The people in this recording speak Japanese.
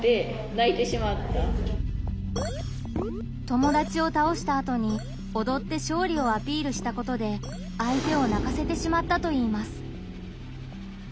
友達を倒したあとにおどって勝利をアピールしたことで相手を泣かせてしまったといいます。